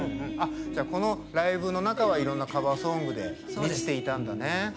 このライブの中はいろんなカバーソングで見せていたんだね。